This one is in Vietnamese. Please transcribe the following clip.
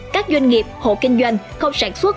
các doanh nghiệp hộ kinh doanh không sản xuất